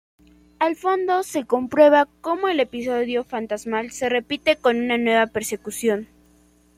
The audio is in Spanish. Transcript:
Al fondo se comprueba cómo el episodio fantasmal se repite con una nueva persecución.